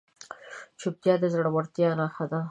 چوپتیا، د زړورتیا نښه ده.